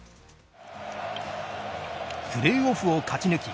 プレーオフを勝ち抜き